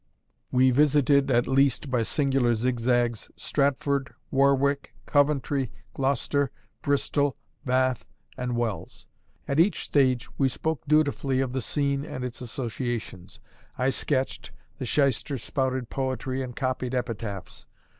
We visited at least, by singular zigzags, Stratford, Warwick, Coventry, Gloucester, Bristol, Bath, and Wells. At each stage we spoke dutifully of the scene and its associations; I sketched, the Shyster spouted poetry and copied epitaphs.